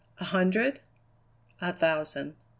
"A hundred?" "A thousand."